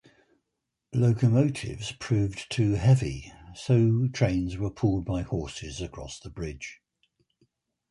Locomotives proved too heavy, so trains were pulled by horses across the bridge.